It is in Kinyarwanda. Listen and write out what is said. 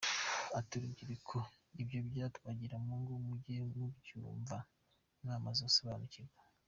Ati “Urubyiruko ibyo bya Twagiramungu muge mu mubyumva mwamaze gusobanukirwa.